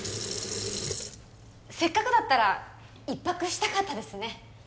せっかくだったら１泊したかったですね